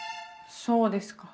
そうですか。